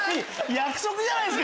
約束じゃないですか！